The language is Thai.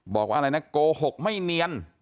บอกว่าอะไรนะโกหกไม่เนียน